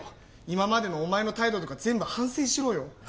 今までのお前の態度とか全部反省しろよ。